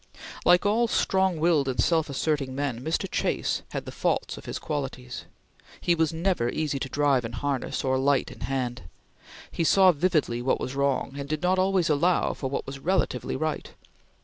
Like all strong willed and self asserting men, Mr. Chase had the faults of his qualities. He was never easy to drive in harness, or light in hand. He saw vividly what was wrong, and did not always allow for what was relatively right.